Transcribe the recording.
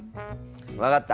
分かった！